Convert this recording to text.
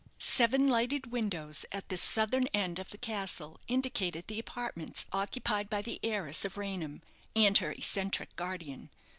Seven lighted windows at this southern end of the castle indicated the apartments occupied by the heiress of Raynham and her eccentric guardian.